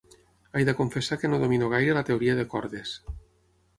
He de confessar que no domino gaire la teoria de cordes.